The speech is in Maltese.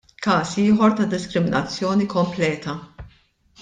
Każ ieħor ta' diskriminazzjoni kompleta.